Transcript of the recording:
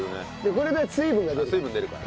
これで水分が出るから。